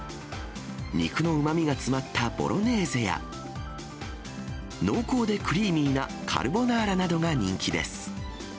肉のうまみが詰まったボロネーゼや、濃厚でクリーミーなカルボナーラなどが人気です。